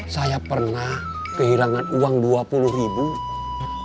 saya pernah kehilangan uang rp dua puluh